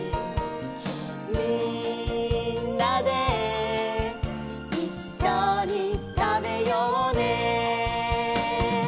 「みんなでいっしょにたべようね」